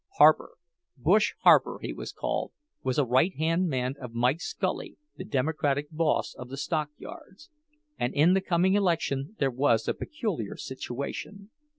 Harper—"Bush" Harper, he was called—was a right hand man of Mike Scully, the Democratic boss of the stockyards; and in the coming election there was a peculiar situation.